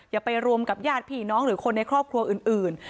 อย่าไปรวมกับญาติพี่น้องหรือคนในครอบครัวอื่น